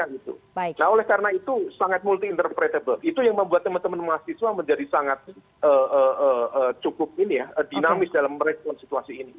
nah oleh karena itu sangat multi interpretable itu yang membuat teman teman mahasiswa menjadi sangat cukup dinamis dalam merespon situasi ini